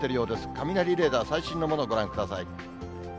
雷レーダー、最新のものをご覧ください。